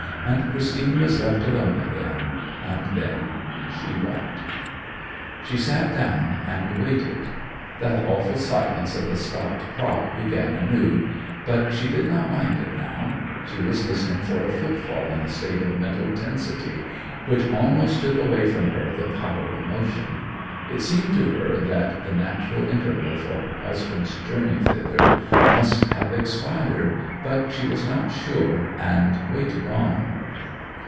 And Christine was left alone again, and then she wept. She sat down and waited. That awful silence of the stopped clock began anew, but she did not mind it now. She was listening for a footfall in a state of mental tensity which almost took away from her the power of motion. It seemed to her that the natural interval for her husband's journey thither must have expired; but she was not sure, and waited on.